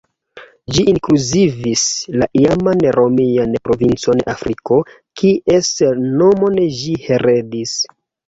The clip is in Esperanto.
Ĝi inkluzivis la iaman romian provincon Afriko, kies nomon ĝi heredis.